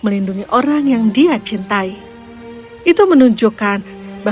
giles singkir es pebatik padat dua puluh empat itu vindikasi